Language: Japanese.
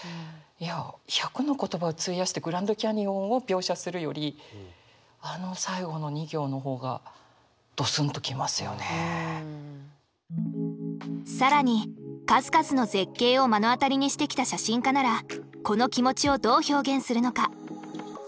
いや１００の言葉を費やしてグランドキャニオンを描写するよりあの最後の２行の方が更に数々の絶景を目の当たりにしてきた写真家ならこの気持ちをどう表現するのか。